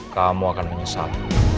kamu akan menyesal